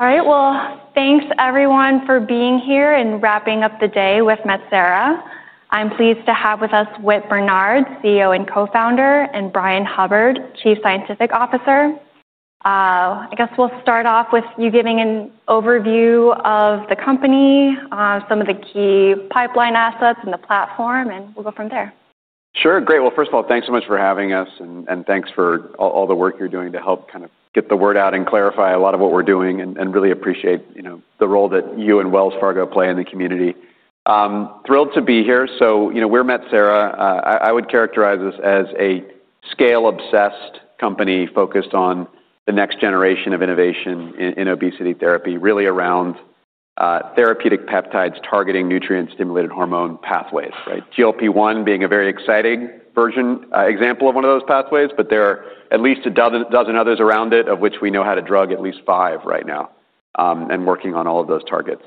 All right, thanks everyone for being here and wrapping up the day with Metsera. I'm pleased to have with us Whit Bernard, CEO and co-founder, and Brian Hubbard, Chief Scientific Officer. I guess we'll start off with you giving an overview of the company, some of the key pipeline assets, and the platform, and we'll go from there. Sure, great. First of all, thanks so much for having us, and thanks for all the work you're doing to help kind of get the word out and clarify a lot of what we're doing. I really appreciate the role that you and Wells Fargo play in the community. Thrilled to be here. We're Metsera. I would characterize us as a scale-obsessed company focused on the next generation of innovation in obesity therapy, really around therapeutic peptides targeting nutrient-stimulated hormone pathways. GLP-1 being a very exciting example of one of those pathways, but there are at least a dozen others around it, of which we know how to drug at least five right now, and working on all of those targets.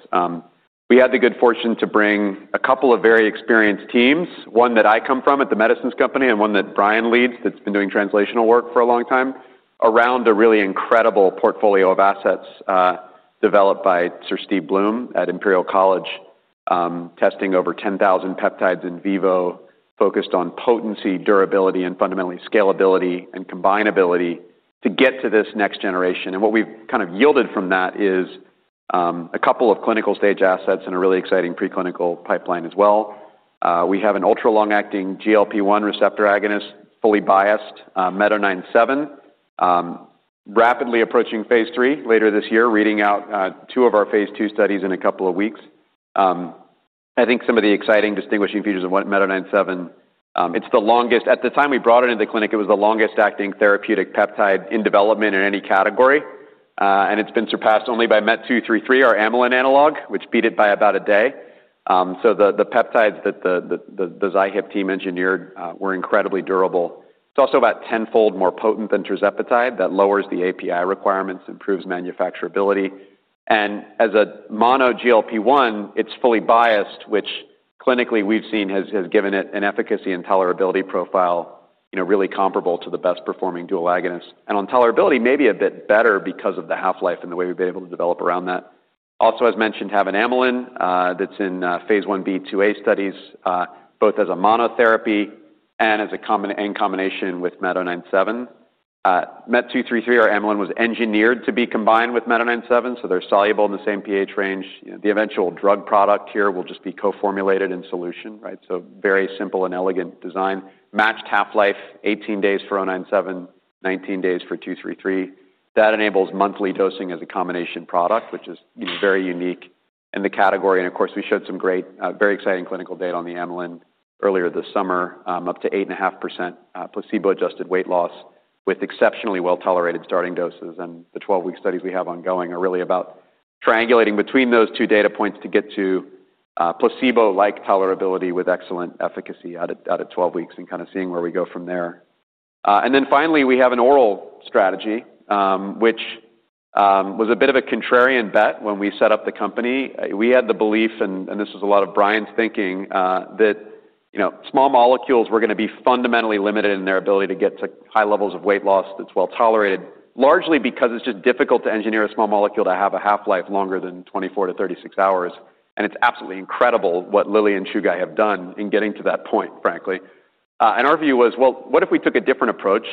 We had the good fortune to bring a couple of very experienced teams, one that I come from at The Medicines Company and one that Brian leads that's been doing translational work for a long time, around a really incredible portfolio of assets developed by Sir Steve Bloom at Imperial College, testing over 10,000 peptides in vivo, focused on potency, durability, and fundamentally scalability and combinability to get to this next generation. What we've kind of yielded from that is a couple of clinical stage assets and a really exciting preclinical pipeline as well. We have an ultra-long-acting GLP-1 receptor agonist, fully biased, MET-097i, rapidly approaching phase III later this year, reading out two of our phase II studies in a couple of weeks. I think some of the exciting distinguishing features of MET-097i, it's the longest, at the time we brought it into the clinic, it was the longest-acting therapeutic peptide in development in any category, and it's been surpassed only by MET-233i, our amylin analog, which beat it by about a day. The peptides that the Zihipp team engineered were incredibly durable. It's also about tenfold more potent than tirzepatide. That lowers the API requirements, improves manufacturability, and as a mono GLP-1, it's fully biased, which clinically we've seen has given it an efficacy and tolerability profile really comparable to the best-performing dual agonists. On tolerability, maybe a bit better because of the half-life and the way we've been able to develop around that. Also, as mentioned, having amylin that's in phase I-B, II-A studies, both as a monotherapy and in combination with MET-097i. MET-233i, our amylin analog, was engineered to be combined with MET-097i, so they're soluble in the same pH range. The eventual drug product here will just be co-formulated in solution, right? Very simple and elegant design. Matched half-life, 18 days for MET-097i, 19 days for MET-233i. That enables monthly dosing as a combination product, which is very unique in the category. Of course, we showed some great, very exciting clinical data on the amylin analog earlier this summer, up to 8.5% placebo-adjusted weight loss with exceptionally well-tolerated starting doses, and the 12-week studies we have ongoing are really about triangulating between those two data points to get to placebo-like tolerability with excellent efficacy out at 12 weeks and kind of seeing where we go from there. Finally, we have an oral strategy, which was a bit of a contrarian bet when we set up the company. We had the belief, and this is a lot of Brian's thinking, that small molecules were going to be fundamentally limited in their ability to get to high levels of weight loss that's well-tolerated, largely because it's just difficult to engineer a small molecule to have a half-life longer than 24- 36 hours. It's absolutely incredible what Lilly and Chugai have done in getting to that point, frankly. Our view was, what if we took a different approach?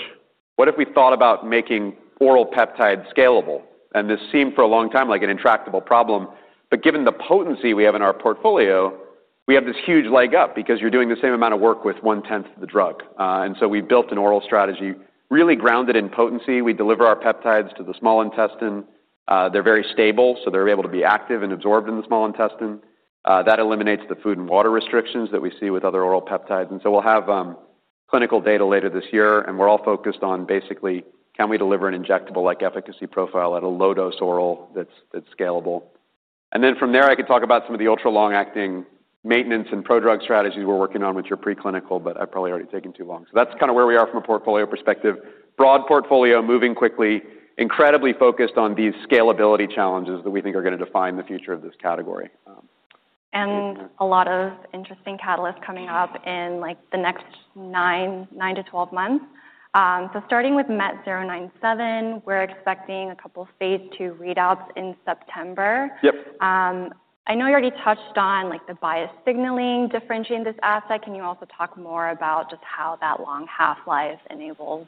What if we thought about making oral peptides scalable? This seemed for a long time like an intractable problem, but given the potency we have in our portfolio, we have this huge leg up because you're doing the same amount of work with one-tenth of the drug. We built an oral strategy really grounded in potency. We deliver our peptides to the small intestine. They're very stable, so they're able to be active and absorbed in the small intestine. That eliminates the food and water restrictions that we see with other oral peptides. We'll have clinical data later this year, and we're all focused on basically, can we deliver an injectable-like efficacy profile at a low-dose oral that's scalable? From there, I could talk about some of the ultra-long-acting maintenance and prodrug strategies we're working on, which are preclinical, but I've probably already taken too long. That's kind of where we are from a portfolio perspective. Broad portfolio, moving quickly, incredibly focused on these scalability challenges that we think are going to define the future of this category. And a lot of interesting catalysts coming up in the next nine to 12 months. Starting with MET-097i, we're expecting a couple of phase II readouts in September. Yep. I know you already touched on the bias signaling differentiating this asset. Can you also talk more about just how that long half-life enables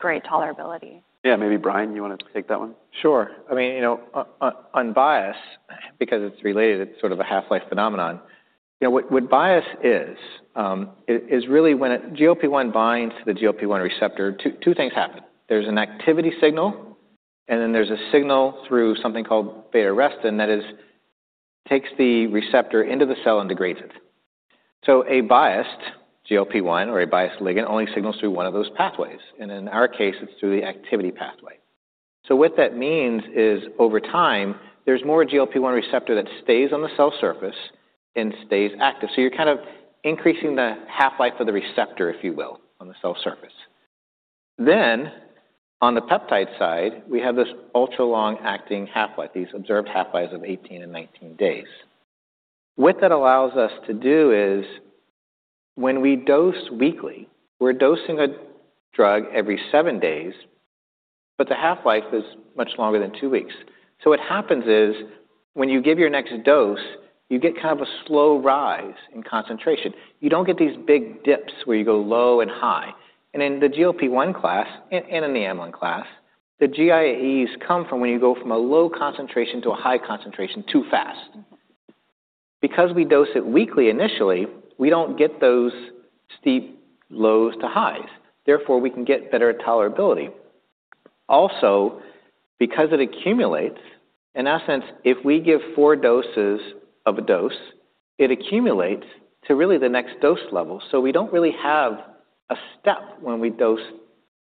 great tolerability? Yeah, maybe Brian, you want to take that one? Sure. On bias, because it's related, it's sort of a half-life phenomenon. What bias is, is really when GLP-1 binds to the GLP-1 receptor, two things happen. There's an activity signal, and then there's a signal through something called beta-arrestin that takes the receptor into the cell and degrades it. A biased GLP-1 or a biased ligand only signals through one of those pathways, and in our case, it's through the activity pathway. What that means is over time, there's more GLP-1 receptor that stays on the cell surface and stays active. You're kind of increasing the half-life of the receptor, if you will, on the cell surface. On the peptide side, we have this ultra-long-acting half-life, these observed half-lives of 18 and 19 days. What that allows us to do is when we dose weekly, we're dosing a drug every seven days, but the half-life is much longer than two weeks. What happens is when you give your next dose, you get kind of a slow rise in concentration. You don't get these big dips where you go low and high. In the GLP-1 class and in the amylin class, the GI AEs come from when you go from a low concentration to a high concentration too fast. Because we dose it weekly initially, we don't get those steep lows to highs. Therefore, we can get better tolerability. Also, because it accumulates, in essence, if we give four doses of a dose, it accumulates to really the next dose level. We don't really have a step when we dose,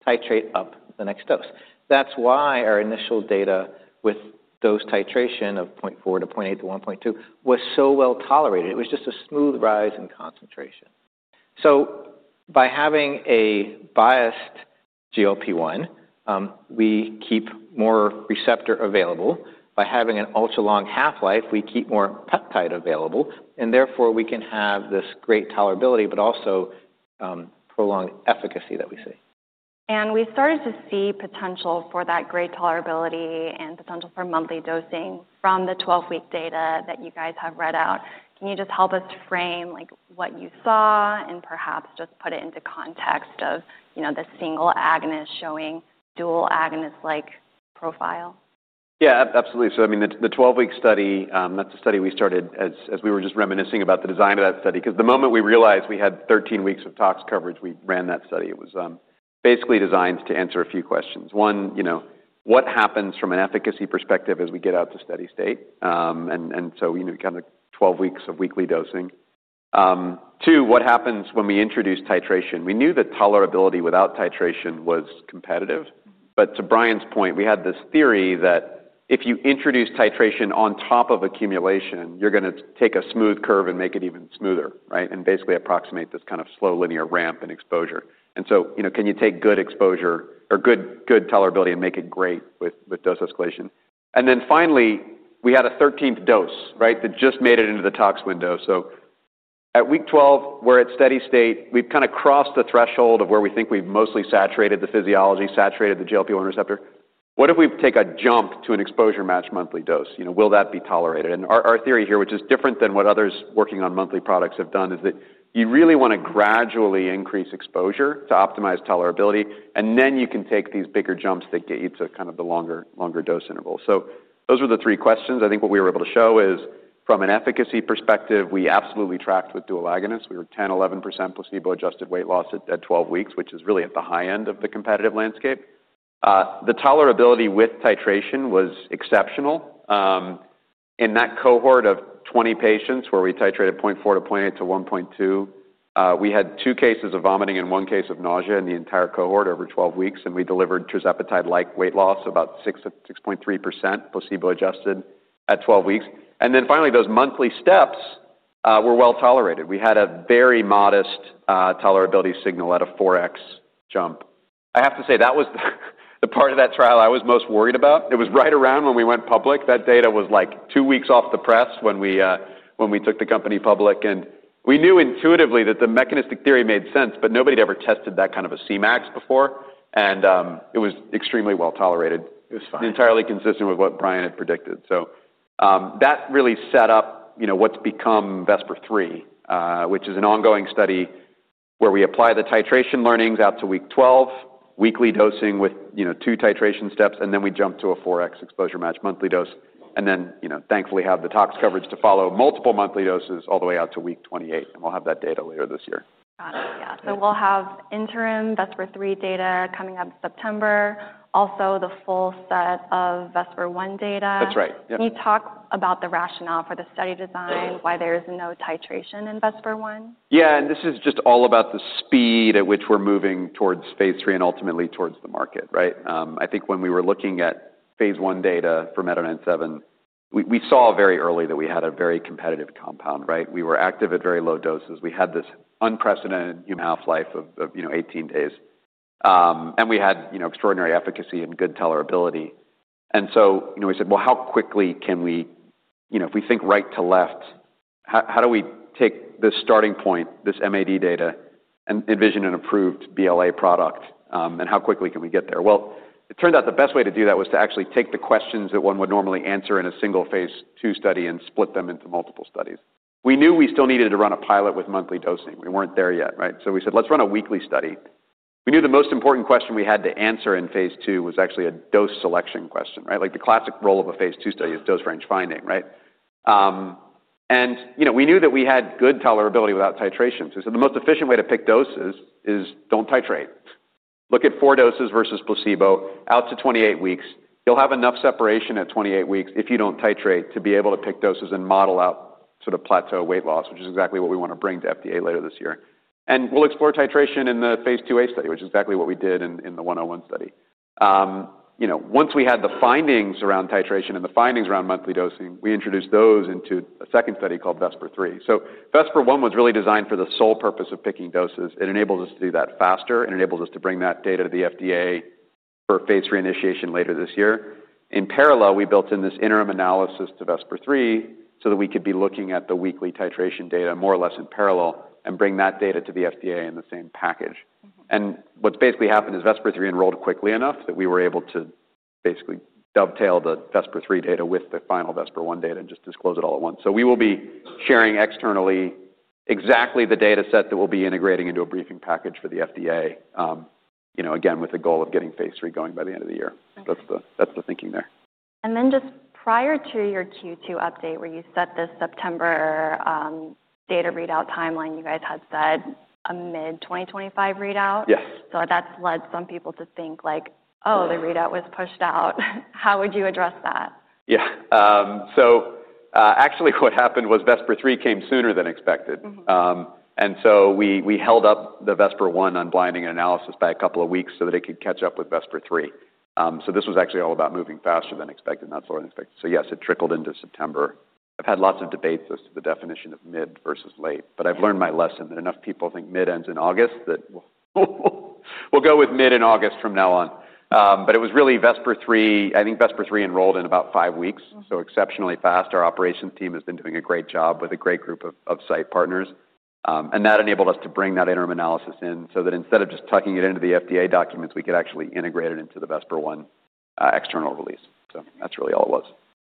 titrate up the next dose. That's why our initial data with dose titration of 0.4 mg to 0.8 mg to 1.2 mg was so well tolerated. It was just a smooth rise in concentration. By having a biased GLP-1, we keep more receptor available. By having an ultra-long half-life, we keep more peptide available, and therefore, we can have this great tolerability, but also prolonged efficacy that we see. We started to see potential for that great tolerability and potential for monthly dosing from the 12-week data that you guys have read out. Can you just help us frame like what you saw and perhaps just put it into context of, you know, the single agonist showing dual agonist-like profile? Yeah, absolutely. The 12-week study, that's a study we started as we were just reminiscing about the design of that study, because the moment we realized we had 13 weeks of tox coverage, we ran that study. It was basically designed to answer a few questions. One, what happens from an efficacy perspective as we get out to steady state? We had 12 weeks of weekly dosing. Two, what happens when we introduce titration? We knew that tolerability without titration was competitive, but to Brian's point, we had this theory that if you introduce titration on top of accumulation, you're going to take a smooth curve and make it even smoother, right? Basically, approximate this kind of slow linear ramp in exposure. Can you take good exposure or good tolerability and make it great with dose escalation? Finally, we had a 13th dose that just made it into the tox window. At week 12, we're at steady state. We've crossed the threshold of where we think we've mostly saturated the physiology, saturated the GLP-1 receptor. What if we take a jump to an exposure match monthly dose? Will that be tolerated? Our theory here, which is different than what others working on monthly products have done, is that you really want to gradually increase exposure to optimize tolerability, and then you can take these bigger jumps that get you to the longer dose interval. Those were the three questions. I think what we were able to show is from an efficacy perspective, we absolutely tracked with dual agonists. We were 10%, 11% placebo-adjusted weight loss at 12 weeks, which is really at the high end of the competitive landscape. The tolerability with titration was exceptional. In that cohort of 20 patients where we titrated 0.4 mg to 0.8 mg to 1.2 mg, we had two cases of vomiting and one case of nausea in the entire cohort over 12 weeks, and we delivered tirzepatide-like weight loss, about 6.3% placebo-adjusted at 12 weeks. Finally, those monthly steps were well tolerated. We had a very modest tolerability signal at a 4x jump. I have to say that was the part of that trial I was most worried about. It was right around when we went public. That data was like two weeks off the press when we took the company public, and we knew intuitively that the mechanistic theory made sense, but nobody had ever tested that kind of a Cmax before, and it was extremely well tolerated. It was fine. Entirely consistent with what Brian had predicted. That really set up what's become VESPER-3, which is an ongoing study where we apply the titration learnings out to week 12, weekly dosing with two titration steps, and then we jump to a 4x exposure match monthly dose. Thankfully, we have the tox coverage to follow multiple monthly doses all the way out to week 28, and we'll have that data later this year. Got it. We'll have interim VESPER-3 data coming up in September, also the full set of VESPER-1 data. That's right. Can you talk about the rationale for the study design, why there is no titration in VESPER-1? Yeah, and this is just all about the speed at which we're moving towards phase III and ultimately towards the market, right? I think when we were looking at phase I data for MET-097i, we saw very early that we had a very competitive compound, right? We were active at very low doses. We had this unprecedented human half-life of, you know, 18 days, and we had, you know, extraordinary efficacy and good tolerability. You know, we said, how quickly can we, you know, if we think right to left, how do we take this starting point, this MAD data, and envision an approved BLA product, and how quickly can we get there? It turned out the best way to do that was to actually take the questions that one would normally answer in a single phase II study and split them into multiple studies. We knew we still needed to run a pilot with monthly dosing. We weren't there yet, right? We said, let's run a weekly study. We knew the most important question we had to answer in phase II was actually a dose selection question, right? Like the classic role of a phase II study is dose range finding, right? We knew that we had good tolerability without titration. We said the most efficient way to pick doses is don't titrate. Look at four doses versus placebo out to 28 weeks. You'll have enough separation at 28 weeks if you don't titrate to be able to pick doses and model out sort of plateau weight loss, which is exactly what we want to bring to FDA later this year. We'll explore titration in the phase II- A study, which is exactly what we did in the 101 study. Once we had the findings around titration and the findings around monthly dosing, we introduced those into a second study called VESPER-3. VESPER-1 was really designed for the sole purpose of picking doses. It enables us to do that faster. It enables us to bring that data to the FDA for phase III initiation later this year. In parallel, we built in this interim analysis to VESPER-3 so that we could be looking at the weekly titration data more or less in parallel and bring that data to the FDA in the same package. What's basically happened is VESPER-3 enrolled quickly enough that we were able to basically dovetail the VESPER-3 data with the final VESPER-1 data and just disclose it all at once. We will be sharing externally exactly the data set that we'll be integrating into a briefing package for the FDA, you know, again with the goal of getting phase III going by the end of the year. That's the thinking there. Just prior to your Q2 update where you set this September data readout timeline, you guys had said a mid-2025 readout. Yes. That's led some people to think, oh, the readout was pushed out. How would you address that? Yeah. Actually, what happened was VESPER-3 came sooner than expected. We held up the VESPER-1 unblinding analysis by a couple of weeks so that it could catch up with VESPER-3. This was actually all about moving faster than expected, not slower than expected. Yes, it trickled into September. I've had lots of debates as to the definition of mid versus late, but I've learned my lesson that enough people think mid ends in August that we'll go with mid in August from now on. It was really VESPER-3. I think VESPER-3 enrolled in about five weeks, so exceptionally fast. Our operations team has been doing a great job with a great group of site partners. That enabled us to bring that interim analysis in so that instead of just tucking it into the FDA documents, we could actually integrate it into the VESPER-1 external release. That's really all it was.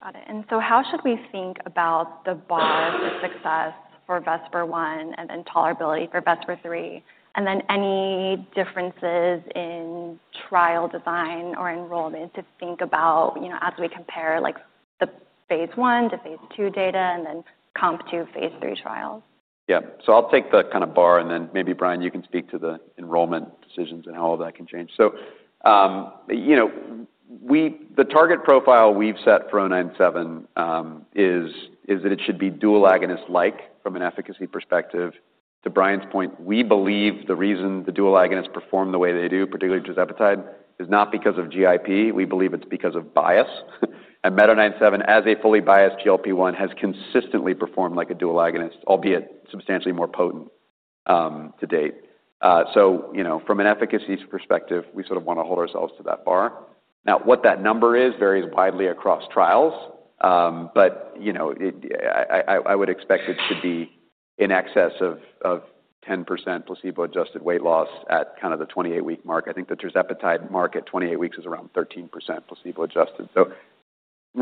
Got it. How should we think about the bar for success for VESPER-1 and then tolerability for VESPER-3? Are there any differences in trial design or enrollment to think about as we compare the phase I to phase II data and then comp to phase III trials? Yeah. I'll take the kind of bar and then maybe Brian, you can speak to the enrollment decisions and how all that can change. The target profile we've set for MET-097i is that it should be dual agonist-like from an efficacy perspective. To Brian's point, we believe the reason the dual agonists perform the way they do, particularly tirzepatide, is not because of GIP. We believe it's because of bias. MET-097i, as a fully biased GLP-1, has consistently performed like a dual agonist, albeit substantially more potent to date. From an efficacy perspective, we sort of want to hold ourselves to that bar. What that number is varies widely across trials, but I would expect it to be in excess of 10% placebo-adjusted weight loss at the 28-week mark. I think the tirzepatide mark at 28 weeks is around 13% placebo-adjusted. I'd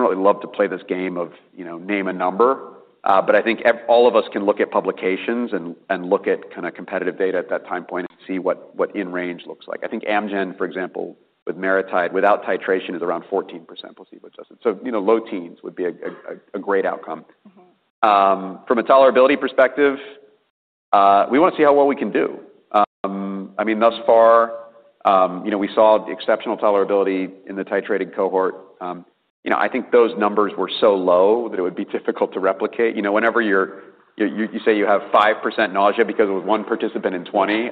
really love to play this game of name a number, but I think all of us can look at publications and look at competitive data at that time point to see what in range looks like. I think Amgen, for example, with maritide without titration is around 14% placebo-adjusted. Low teens would be a great outcome. From a tolerability perspective, we want to see how well we can do. Thus far, we saw exceptional tolerability in the titrated cohort. I think those numbers were so low that it would be difficult to replicate. Whenever you say you have 5% nausea because it was one participant in 20,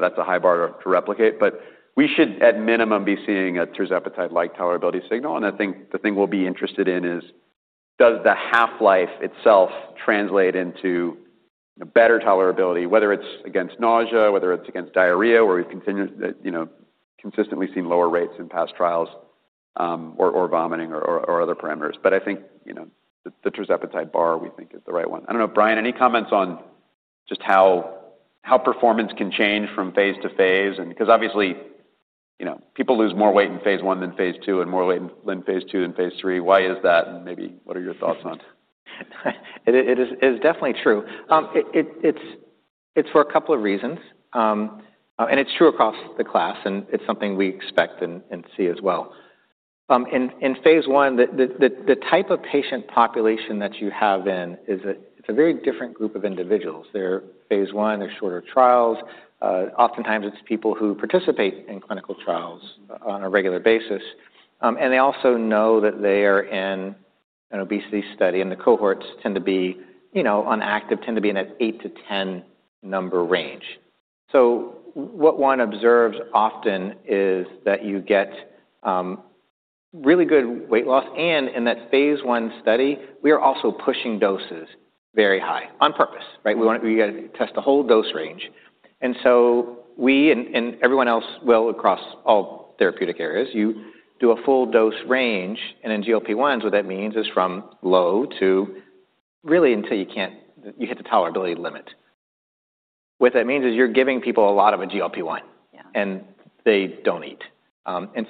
that's a high bar to replicate, but we should at minimum be seeing a tirzepatide-like tolerability signal. The thing we'll be interested in is does the half-life itself translate into better tolerability, whether it's against nausea, whether it's against diarrhea, where we've consistently seen lower rates in past trials, or vomiting or other parameters. The tirzepatide bar we think is the right one. I don't know, Brian, any comments on just how performance can change from phase to phase? Obviously, people lose more weight in phase I than phase II and more weight in phase II than phase III. Why is that? Maybe what are your thoughts on? It is definitely true. It's for a couple of reasons, and it's true across the class, and it's something we expect and see as well. In phase I, the type of patient population that you have in is a very different group of individuals. They're phase I, they're shorter trials. Oftentimes, it's people who participate in clinical trials on a regular basis. They also know that they are in an obesity study, and the cohorts tend to be on active, tend to be in an eight to 10 number range. What one observes often is that you get really good weight loss, and in that phase I study, we are also pushing doses very high on purpose, right? We want to test the whole dose range. Everyone else will across all therapeutic areas, you do a full dose range, and in GLP-1s, what that means is from low to really until you can't, you hit the tolerability limit. What that means is you're giving people a lot of a GLP-1, and they don't eat.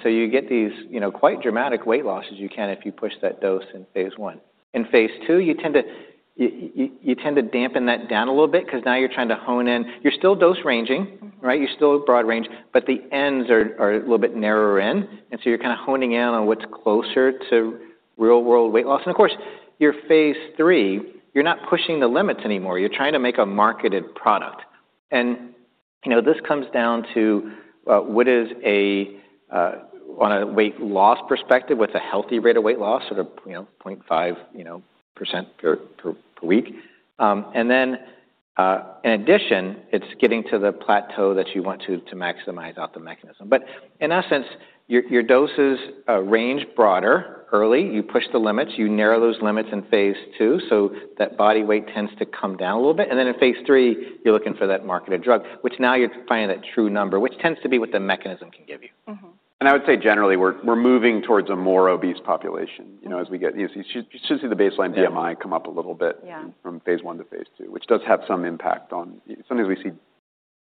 You get these quite dramatic weight losses you can if you push that dose in phase I. In phase II, you tend to dampen that down a little bit because now you're trying to hone in. You're still dose ranging, right? You're still broad range, but the ends are a little bit narrower in. You're kind of honing in on what's closer to real-world weight loss. Of course, your phase III, you're not pushing the limits anymore. You're trying to make a marketed product. This comes down to what is a, on a weight loss perspective, what's a healthy rate of weight loss, sort of 0.5% per week. In addition, it's getting to the plateau that you want to maximize out the mechanism. In essence, your doses range broader early. You push the limits. You narrow those limits in phase II so that body weight tends to come down a little bit. In phase III, you're looking for that marketed drug, which now you're finding that true number, which tends to be what the mechanism can give you. I would say generally, we're moving towards a more obese population as we get. You should see the baseline BMI come up a little bit from phase I to phase II, which does have some impact on some things we see,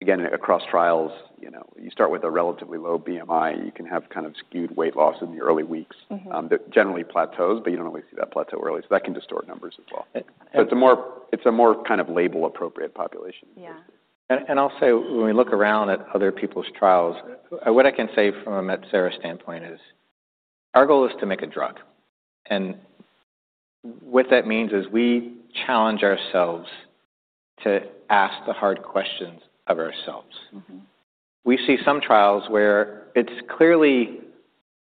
again, across trials. You start with a relatively low BMI. You can have kind of skewed weight loss in the early weeks. It generally plateaus, but you don't always see that plateau early. That can distort numbers as well. It's a more kind of label-appropriate population. Yeah. When we look around at other people's trials, what I can say from a Metsera standpoint is our goal is to make a drug. What that means is we challenge ourselves to ask the hard questions of ourselves. We see some trials where it's clearly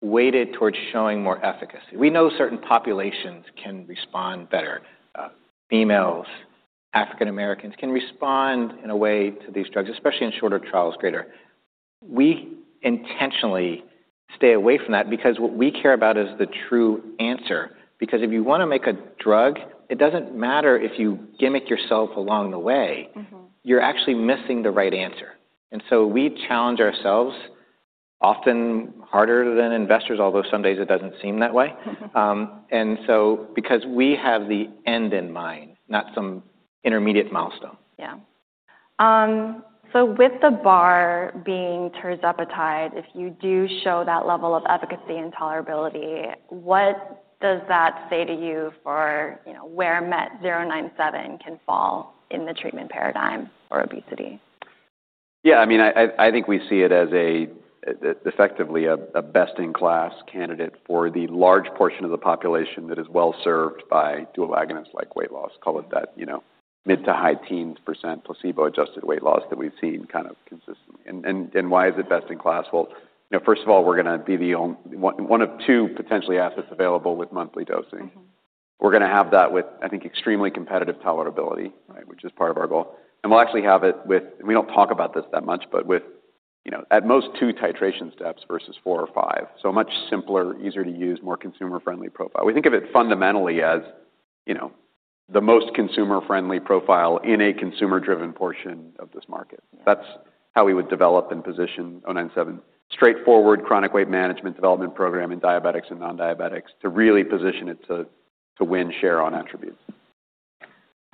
weighted towards showing more efficacy. We know certain populations can respond better. Females, African Americans can respond in a way to these drugs, especially in shorter trials, greater. We intentionally stay away from that because what we care about is the true answer. If you want to make a drug, it doesn't matter if you gimmick yourself along the way. You're actually missing the right answer. We challenge ourselves often harder than investors, although some days it doesn't seem that way, because we have the end in mind, not some intermediate milestone. Yeah. With the bar being tirzepatide, if you do show that level of efficacy and tolerability, what does that say to you for where MET-097i can fall in the treatment paradigm for obesity? Yeah, I mean, I think we see it as effectively a best-in-class candidate for the large portion of the population that is well served by dual agonists like weight loss. Call it that, you know, mid to high teens % placebo-adjusted weight loss that we've seen kind of consistently. Why is it best-in-class? First of all, we're going to be one of two potentially assets available with monthly dosing. We're going to have that with, I think, extremely competitive tolerability, which is part of our goal. We'll actually have it with, and we don't talk about this that much, but with, you know, at most two titration steps versus four or five. A much simpler, easier to use, more consumer-friendly profile. We think of it fundamentally as, you know, the most consumer-friendly profile in a consumer-driven portion of this market. That's how we would develop and position MET-097i. Straightforward chronic weight management development program in diabetics and non-diabetics to really position it to win share on attributes.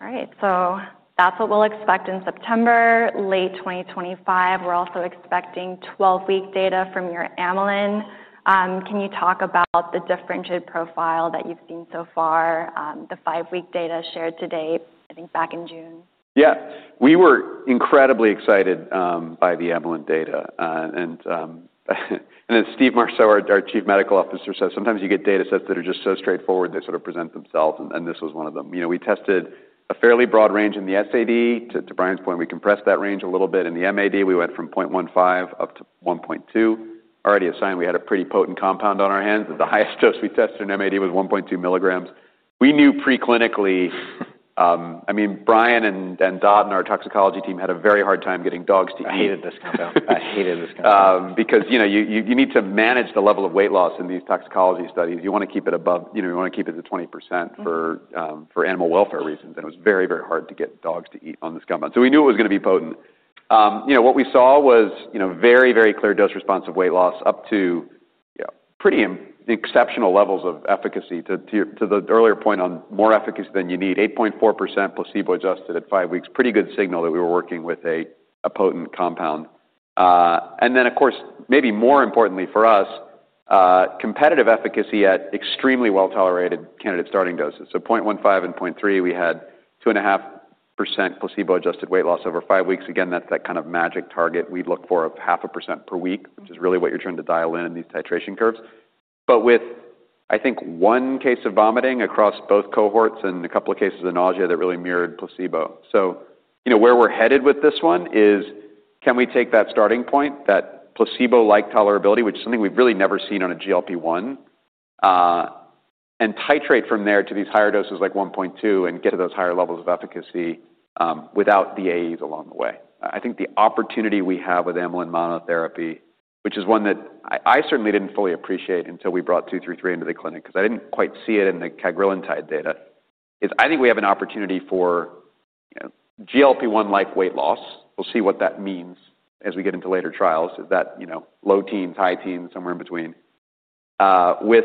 All right, so that's what we'll expect in September, late 2025. We're also expecting 12-week data from your amylin. Can you talk about the differentiated profile that you've seen so far, the five-week data shared today, I think back in June? Yeah, we were incredibly excited by the amylin data. As Steve Marso, our Chief Medical Officer, says, sometimes you get data sets that are just so straightforward, they sort of present themselves. This was one of them. You know, we tested a fairly broad range in the SAD. To Brian's point, we compressed that range a little bit in the MAD. We went from 0.15 mg up to 1.2 mg. Already assigned, we had a pretty potent compound on our hands. The highest dose we tested in MAD was 1.2 mg. We knew preclinically, I mean, Brian and Dodd and our toxicology team had a very hard time getting dogs to eat. I hated this compound. I hated this compound. Because, you know, you need to manage the level of weight loss in these toxicology studies. You want to keep it above, you know, you want to keep it at 20% for animal welfare reasons. It was very, very hard to get dogs to eat on this compound. We knew it was going to be potent. What we saw was very, very clear dose response of weight loss up to pretty exceptional levels of efficacy. To the earlier point on more efficacy than you need, 8.4% placebo-adjusted at five weeks. Pretty good signal that we were working with a potent compound. Of course, maybe more importantly for us, competitive efficacy at extremely well-tolerated candidate starting doses. 0.15 mg and 0.3 mg, we had 2.5% placebo-adjusted weight loss over five weeks. Again, that's that kind of magic target we'd look for, a half a percent per week, which is really what you're trying to dial in these titration curves. I think one case of vomiting across both cohorts and a couple of cases of nausea that really mirrored placebo. Where we're headed with this one is can we take that starting point, that placebo-like tolerability, which is something we've really never seen on a GLP-1, and titrate from there to these higher doses like 1.2 mg and get to those higher levels of efficacy without DAEs along the way. I think the opportunity we have with amylin monotherapy, which is one that I certainly didn't fully appreciate until we brought MET-233i into the clinic, because I didn't quite see it in the cagrilintide data, is I think we have an opportunity for GLP-1-like weight loss. We'll see what that means as we get into later trials, is that, you know, low teens, high teens, somewhere in between, with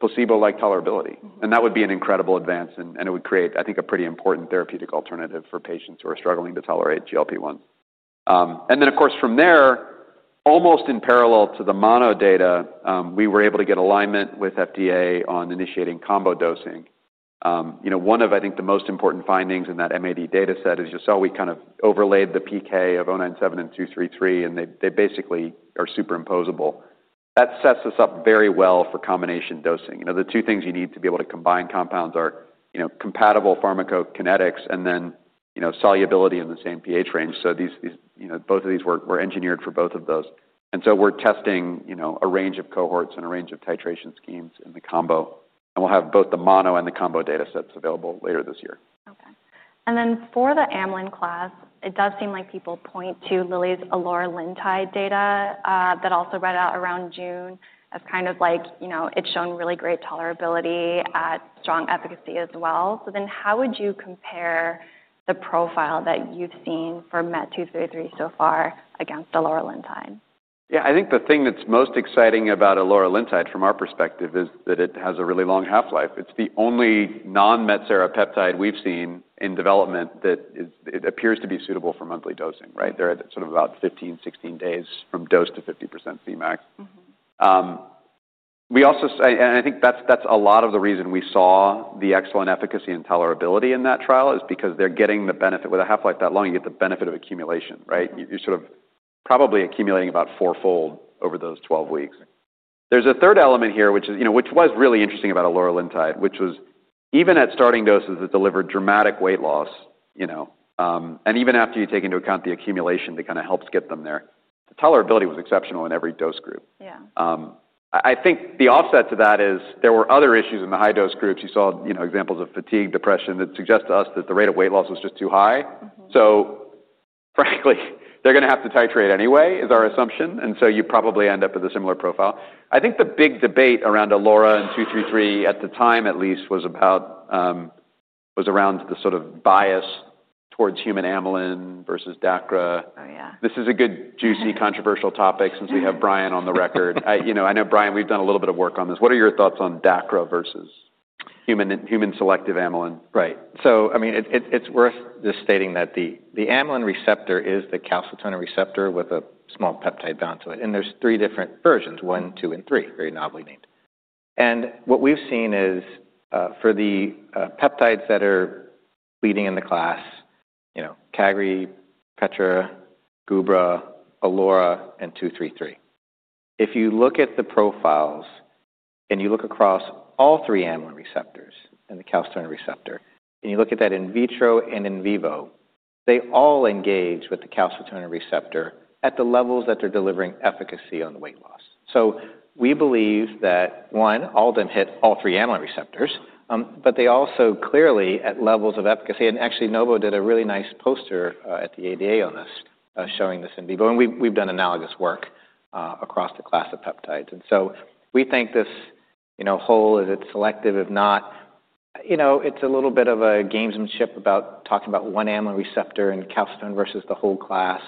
placebo-like tolerability. That would be an incredible advance, and it would create, I think, a pretty important therapeutic alternative for patients who are struggling to tolerate GLP-1. Almost in parallel to the mono data, we were able to get alignment with FDA on initiating combo dosing. One of the most important findings in that MAD data set is you saw we kind of overlaid the PK of MET-097i and MET-233i, and they basically are superimposable. That sets us up very well for combination dosing. The two things you need to be able to combine compounds are compatible pharmacokinetics and solubility in the same pH range. Both of these were engineered for both of those. We're testing a range of cohorts and a range of titration schemes in the combo. We'll have both the mono and the combo data sets available later this year. Okay. For the amylin class, it does seem like people point to Lilly's eloralintide data that also read out around June as kind of like, you know, it's shown really great tolerability at strong efficacy as well. How would you compare the profile that you've seen for MET-233i so far against eloralintide? Yeah, I think the thing that's most exciting about eloralintide from our perspective is that it has a really long half-life. It's the only non-Metsera peptide we've seen in development that appears to be suitable for monthly dosing, right? They're at about 15, 16 days from dose to 50% Cmax. I think that's a lot of the reason we saw the excellent efficacy and tolerability in that trial, because they're getting the benefit with a half-life that long. You get the benefit of accumulation, right? You're probably accumulating about fourfold over those 12 weeks. There's a third element here, which was really interesting about eloralintide, which was even at starting doses, it delivered dramatic weight loss, and even after you take into account the accumulation, that kind of helps get them there. Tolerability was exceptional in every dose group. Yeah. I think the offset to that is there were other issues in the high dose groups. You saw examples of fatigue, depression that suggest to us that the rate of weight loss was just too high. Frankly, they're going to have to titrate anyway, is our assumption, and you probably end up with a similar profile. I think the big debate around elora and MET-233i at the time, at least, was about the sort of bias towards human amylin analog versus DACRA. Oh yeah. This is a good, juicy, controversial topic since we have Brian on the record. I know Brian, we've done a little bit of work on this. What are your thoughts on DACRA versus human- selective amylin? Right. It's worth just stating that the amylin receptor is the calcitonin receptor with a small peptide bound to it. There are three different versions, one, two, and three, very novelly named. What we've seen is for the peptides that are leading in the class, you know, cagri, petro, Gubra, elora, and 233. If you look at the profiles and you look across all three amylin receptors and the calcitonin receptor, and you look at that in vitro and in vivo, they all engage with the calcitonin receptor at the levels that they're delivering efficacy on the weight loss. We believe that, one, all of them hit all three amylin receptors, but they also clearly at levels of efficacy. Actually, Novo did a really nice poster at the ADA on this, showing this in vivo. We've done analogous work across the class of peptides. We think this whole, is it selective? If not, it's a little bit of a gamesmanship about talking about one amylin receptor and calcitonin versus the whole class.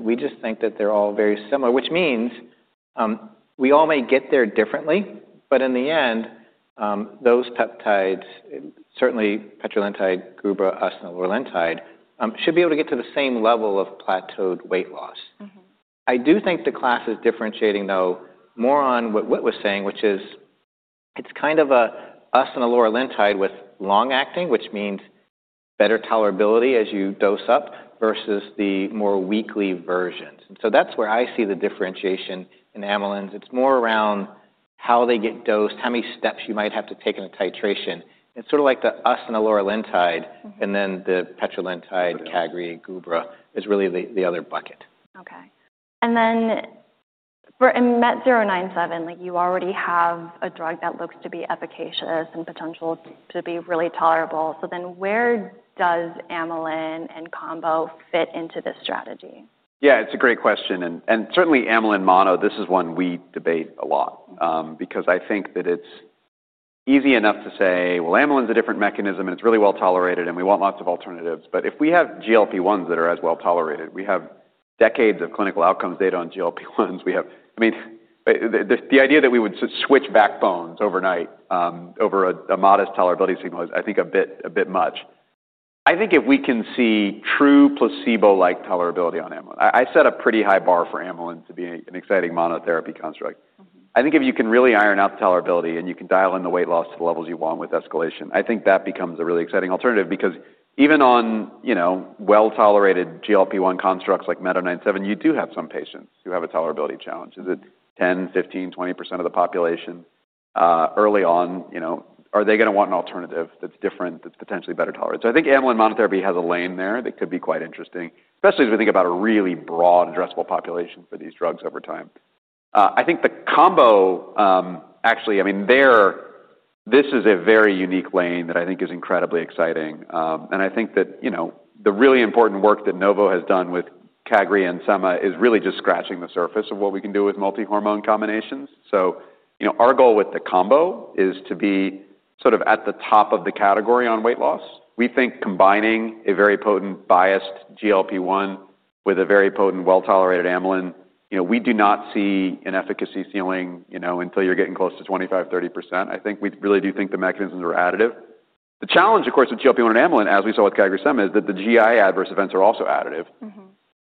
We just think that they're all very similar, which means we all may get there differently, but in the end, those peptides, certainly petrolantide, Gubra, us, and eloralantide, should be able to get to the same level of plateaued weight loss. I do think the class is differentiating, though, more on what Whit was saying, which is it's kind of us and eloralantide with long-acting, which means better tolerability as you dose up versus the more weekly versions. That's where I see the differentiation in amylins. It's more around how they get dosed, how many steps you might have to take in a titration. It's sort of like the us and eloralantide, and then the petrolantide, cagri, Gubra is really the other bucket. Okay. For MET-097i, you already have a drug that looks to be efficacious and has potential to be really tolerable. Where does amylin and combo fit into this strategy? Yeah, it's a great question. Certainly, amylin mono, this is one we debate a lot. I think that it's easy enough to say, well, amylin's a different mechanism and it's really well tolerated and we want lots of alternatives. If we have GLP-1s that are as well tolerated, we have decades of clinical outcomes data on GLP-1s. The idea that we would switch backbones overnight over a modest tolerability scheme was, I think, a bit much. I think if we can see true placebo-like tolerability on amylin, I set a pretty high bar for amylin to be an exciting monotherapy construct. I think if you can really iron out the tolerability and you can dial in the weight loss to the levels you want with escalation, that becomes a really exciting alternative because even on, you know, well-tolerated GLP-1 constructs like MET-097i, you do have some patients who have a tolerability challenge. Is it 10%, 15%, 20% of the population early on, you know, are they going to want an alternative that's different, that's potentially better tolerated? I think amylin monotherapy has a lane there that could be quite interesting, especially as we think about a really broad and addressable population for these drugs over time. I think the combo actually, I mean, this is a very unique lane that I think is incredibly exciting. The really important work that Novo has done with cagri and sema is really just scratching the surface of what we can do with multi-hormone combinations. Our goal with the combo is to be sort of at the top of the category on weight loss. We think combining a very potent biased GLP-1 with a very potent well-tolerated amylin, you know, we do not see an efficacy ceiling until you're getting close to 25%, 30%. I think we really do think the mechanisms are additive. The challenge, of course, with GLP-1 and amylin, as we saw with cagri and sema, is that the GI adverse events are also additive.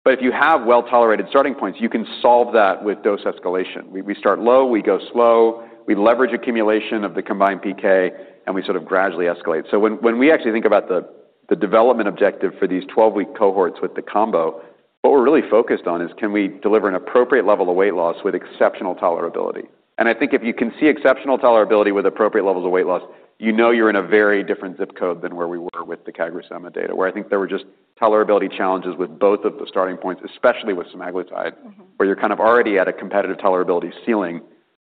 If you have well-tolerated starting points, you can solve that with dose escalation. We start low, we go slow, we leverage accumulation of the combined PK, and we sort of gradually escalate. When we actually think about the development objective for these 12-week cohorts with the combo, what we're really focused on is can we deliver an appropriate level of weight loss with exceptional tolerability. I think if you can see exceptional tolerability with appropriate levels of weight loss, you know you're in a very different zip code than where we were with the cagri-sema data. I think there were just tolerability challenges with both of the starting points, especially with semaglutide, where you're kind of already at a competitive tolerability ceiling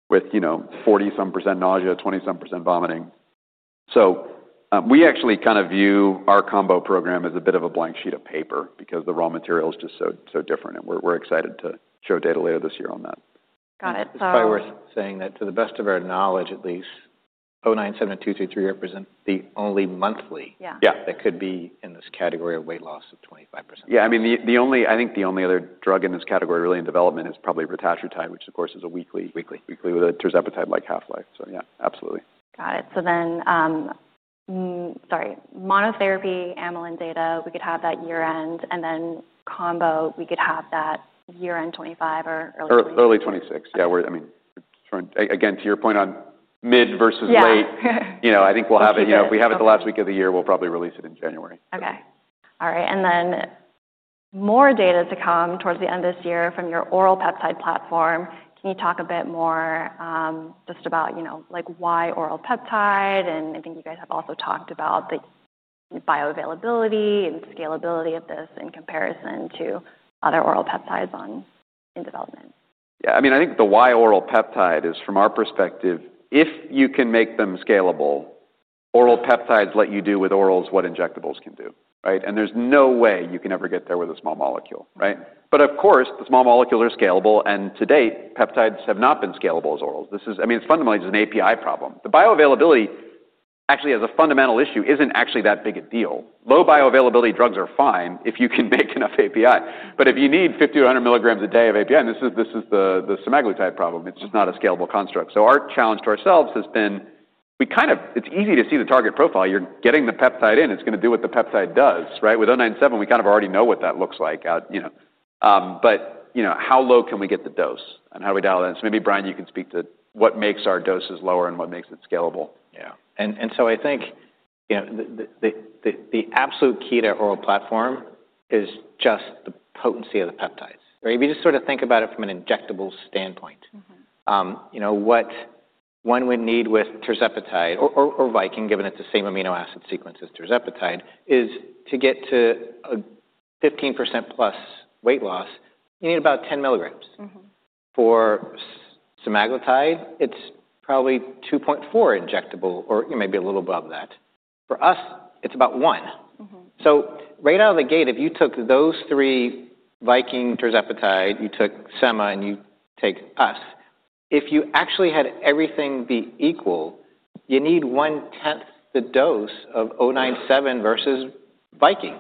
with, you know, 40% nausea, 20% vomiting. We actually kind of view our combo program as a bit of a blank sheet of paper because the raw material is just so different. We're excited to show data later this year on that. Got it. It's probably worth saying that to the best of our knowledge, at least, MET-097i and MET-233i represent the only monthly that could be in this category of weight loss of 25%. Yeah, I mean, I think the only other drug in this category really in development is probably tirzepatide, which of course is a weekly tirzepatide-like half-life. Yeah, absolutely. Got it. Monotherapy, amylin data, we could have that year-end, and then combo, we could have that year-end 2025 or early 2026. Early 2026. Yeah, I mean, again, to your point on mid versus late, I think we'll have it. If we have it the last week of the year, we'll probably release it in January. All right. More data to come towards the end of this year from your oral peptide platform. Can you talk a bit more just about, you know, like why oral peptide? I think you guys have also talked about the bioavailability and scalability of this in comparison to other oral peptides in development. Yeah, I mean, I think the why oral peptide is from our perspective, if you can make them scalable, oral peptides let you do with orals what injectables can do, right? There's no way you can ever get there with a small molecule, right? Of course, the small molecules are scalable, and to date, peptides have not been scalable as orals. This is, I mean, it's fundamentally just an API problem. The bioavailability actually has a fundamental issue, isn't actually that big a deal. Low bioavailability drugs are fine if you can make enough API. If you need 50 mg or 100 mg a day of API, and this is the semaglutide problem, it's just not a scalable construct. Our challenge to ourselves has been, we kind of, it's easy to see the target profile. You're getting the peptide in. It's going to do what the peptide does, right? With MET-097i, we kind of already know what that looks like, you know. You know, how low can we get the dose? How do we dial that in? Maybe Brian, you can speak to what makes our doses lower and what makes it scalable. Yeah. I think the absolute key to our platform is just the potency of the peptides. Right? If you just sort of think about it from an injectable standpoint, what one would need with tirzepatide or Viking, given it's the same amino acid sequence as tirzepatide, is to get to a 15%+ weight loss, you need about 10 mg. For semaglutide, it's probably 2.4 mg injectable, or maybe a little above that. For us, it's about 1 mg. Right out of the gate, if you took those three, Viking tirzepatide, you took sema, and you take us, if you actually had everything be equal, you need 1/10 the dose of MET-097i versus Viking.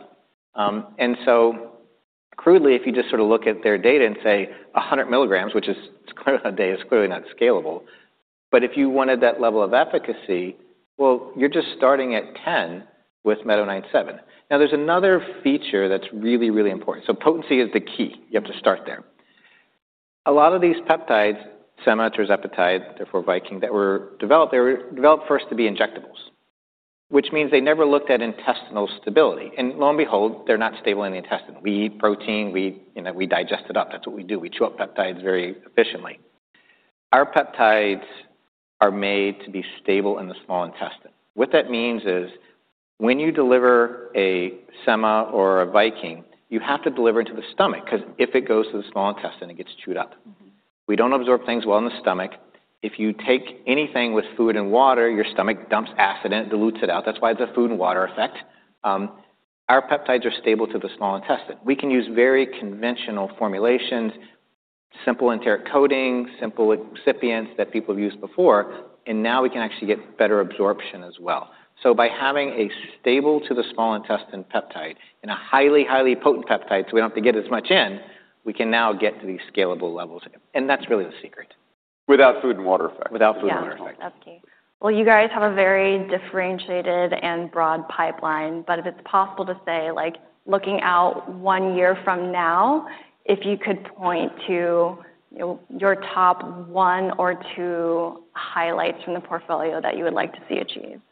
Crudely, if you just sort of look at their data and say 100 mg, which is clearly not a day, it's clearly not scalable. If you wanted that level of efficacy, you're just starting at 10 mg with MET-097i. There's another feature that's really, really important. Potency is the key. You have to start there. A lot of these peptides, sema, tirzepatide, therefore Viking, that were developed, they were developed first to be injectables, which means they never looked at intestinal stability. Lo and behold, they're not stable in the intestine. We eat protein, we digest it up. That's what we do. We chew up peptides very efficiently. Our peptides are made to be stable in the small intestine. What that means is when you deliver a sema or a Viking, you have to deliver it to the stomach because if it goes to the small intestine, it gets chewed up. We don't absorb things well in the stomach. If you take anything with food and water, your stomach dumps acid in it, dilutes it out. That's why it's a food and water effect. Our peptides are stable to the small intestine. We can use very conventional formulations, simple enteric coatings, simple excipients that people have used before, and now we can actually get better absorption as well. By having a stable to the small intestine peptide and a highly, highly potent peptide, so we don't have to get as much in, we can now get to these scalable levels. That's really the secret. Without food and water effect. Without food and water effect. That's up to you. You guys have a very differentiated and broad pipeline. If it's possible to say, like looking out one year from now, if you could point to your top one or two highlights from the portfolio that you would like to see achieved.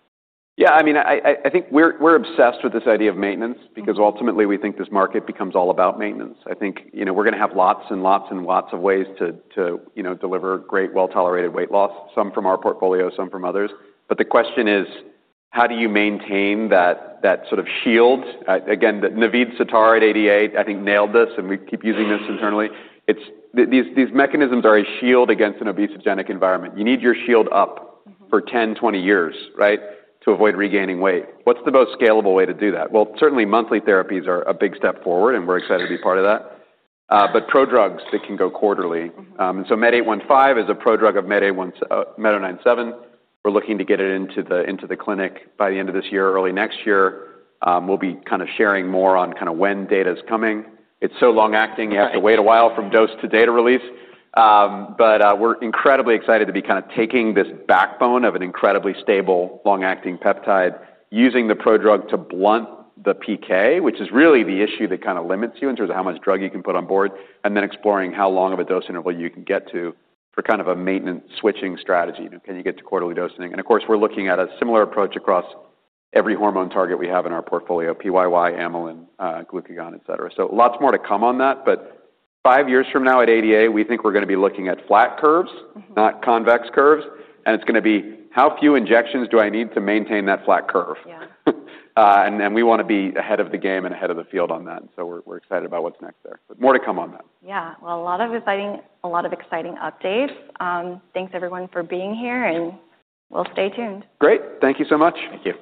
Yeah, I mean, I think we're obsessed with this idea of maintenance because ultimately we think this market becomes all about maintenance. I think we're going to have lots and lots and lots of ways to deliver great well-tolerated weight loss, some from our portfolio, some from others. The question is, how do you maintain that sort of shield? Again, that Naveed Sattar at ADA, I think, nailed this, and we keep using this internally. These mechanisms are a shield against an obesogenic environment. You need your shield up for 10, 20 years, right, to avoid regaining weight. What's the most scalable way to do that? Certainly monthly therapies are a big step forward, and we're excited to be part of that. Prodrugs that can go quarterly. MET-815 is a prodrug of MET-097i. We're looking to get it into the clinic by the end of this year, early next year. We'll be kind of sharing more on kind of when data is coming. It's so long-acting, you have to wait a while from dose to data release. We're incredibly excited to be kind of taking this backbone of an incredibly stable long-acting peptide, using the prodrug to blunt the PK, which is really the issue that kind of limits you in terms of how much drug you can put on board, and then exploring how long of a dose interval you can get to for kind of a maintenance switching strategy. Can you get to quarterly dosing? Of course, we're looking at a similar approach across every hormone target we have in our portfolio: PYY, amylin, glucagon, et cetera. Lots more to come on that. Five years from now at ADA, we think we're going to be looking at flat curves, not convex curves. It's going to be how few injections do I need to maintain that flat curve? Yeah. We want to be ahead of the game and ahead of the field on that. We're excited about what's next there. More to come on that. A lot of exciting updates. Thanks everyone for being here, and we'll stay tuned. Great. Thank you so much. Thank you.